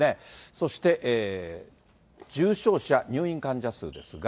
そして重症者、入院患者数ですが。